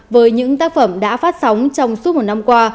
với những tác phẩm đã phát sóng trong suốt một năm qua